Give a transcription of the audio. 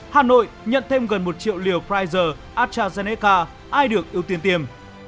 hà nội nhận thêm gần một triệu liều pfizer astrazeneca ai được ưu tiên tiêm